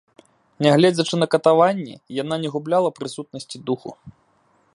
Нягледзячы на катаванні, яна не губляла прысутнасці духу.